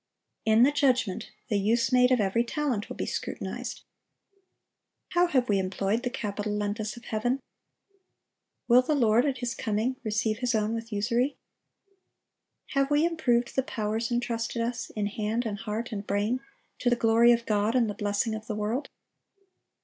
In the judgment, the use made of every talent will be scrutinized. How have we employed the capital lent us of Heaven? Will the Lord at His coming receive His own with usury? Have we improved the powers intrusted us, in hand and heart and brain, to the glory of God and the blessing of the world?